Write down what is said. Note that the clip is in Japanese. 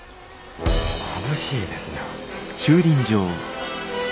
まぶしいですよ。